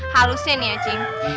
harusnya nih ya cing